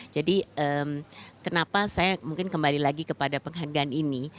jadi kenapa saya mungkin kembali lagi kepada penghargaan ini